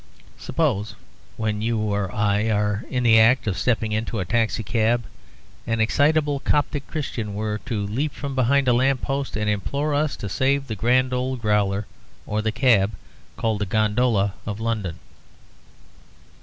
Suppose when you or I are in the act of stepping into a taxi cab, an excitable Coptic Christian were to leap from behind a lamp post, and implore us to save the grand old growler or the cab called the gondola of London.